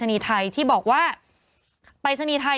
โหยวายโหยวายโหยวาย